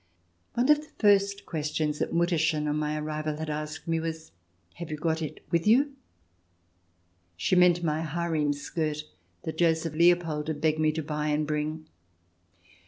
One of the first questions that Mutterchen, on my arrival, had asked me was :" Have you got it with you ?" She meant my harem skirt, that Joseph Leopold had begged me to buy and bring.